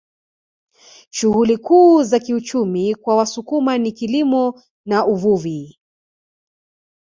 Shughuli kuu za kiuchumi kwa Wasukuma ni kilimo na uvuvi